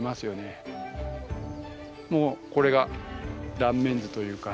もうこれが断面図というか